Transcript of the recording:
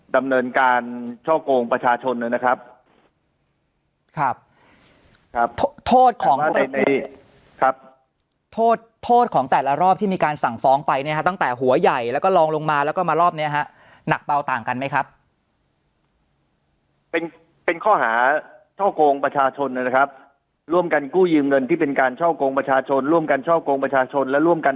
ดำเนินการช่อกงประชาชนนะครับครับโทษของในครับโทษโทษของแต่ละรอบที่มีการสั่งฟ้องไปเนี่ยฮะตั้งแต่หัวใหญ่แล้วก็ลองลงมาแล้วก็มารอบเนี้ยฮะหนักเบาต่างกันไหมครับเป็นเป็นข้อหาช่อกงประชาชนนะครับร่วมกันกู้ยืมเงินที่เป็นการช่อกงประชาชนร่วมกันช่อกงประชาชนและร่วมกัน